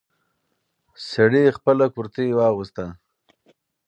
سړی خپل کورتۍ واغوست.